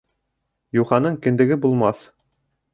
Юханың кендеге булмаҫ.